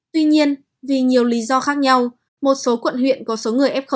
tuy nhiên vì nhiều lý do khác nhau một số quận huyện có số người f một